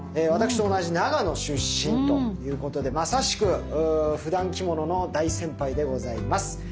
私と同じ長野出身ということでまさしくふだん着物の大先輩でございます。